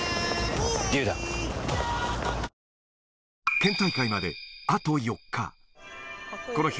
県大会まであと４日。